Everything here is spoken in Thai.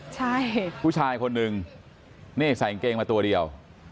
ใช่ผู้ชายคนนึงนี่ใส่กางเกงมาตัวเดียว